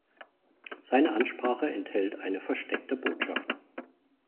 Seine Ansprache enthält eine versteckte Botschaft.